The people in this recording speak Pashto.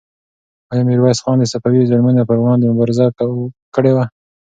آیا میرویس خان د صفوي ظلمونو پر وړاندې مبارزه کړې وه؟